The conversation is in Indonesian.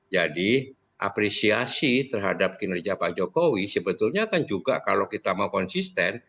jadi apresiasi terhadap kinerja pak jokowi sebetulnya kan juga kalau kita mau konsisten